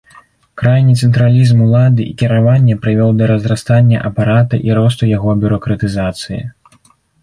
Крайні цэнтралізм улады і кіравання прывёў да разрастання апарата і росту яго бюракратызацыі.